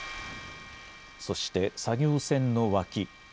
そして作業船の脇。